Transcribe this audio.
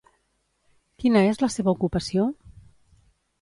Quina és la seva ocupació?